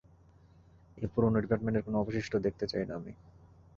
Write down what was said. এই পুরনো ডিপার্টমেন্টের কোনো অবশিষ্ট দেখতে চাই না আমি।